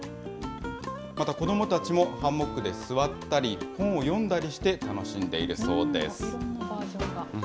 また、子どもたちもハンモックで座ったり本を読んだりして、楽しんでいるそうです。